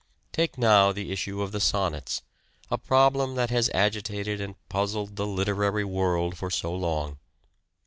The Sonnets. Take now the issue of the Sonnets, a problem that has agitated and puzzled the literary world for so long.